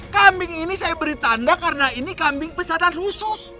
kambing ini saya beri tanda karena ini kambing pesanan khusus